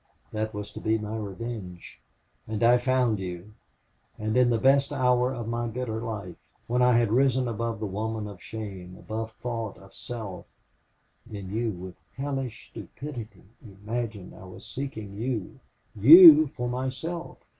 That was to be my revenge. And I found you, and in the best hour of my bitter life when I had risen above the woman of shame, above thought of self then you, with hellish stupidity, imagined I was seeking you YOU for myself!